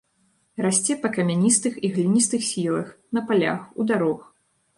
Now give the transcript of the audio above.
Расце па камяністых і гліністых схілах, на палях, у дарог.